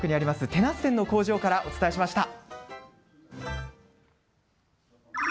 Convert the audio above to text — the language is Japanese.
手なっ染の工場からお伝えしました。